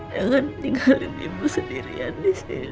jangan tinggalin ibu sendirian di sini